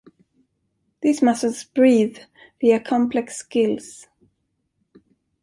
These mussels breathe via complex gills.